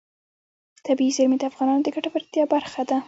طبیعي زیرمې د افغانانو د ګټورتیا برخه ده.